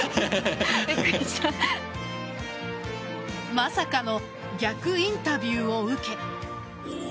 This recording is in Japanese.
まさかの逆インタビューを受け。